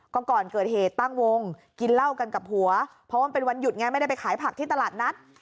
ก็ก่อนเกิดเหตุตั้งวงกินเหล้ากันกับหัวเพราะว่ามันเป็นวันหยุดไงไม่ได้ไปขายผักที่ตลาดนัด